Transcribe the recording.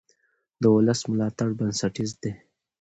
د ولس ملاتړ بنسټیز دی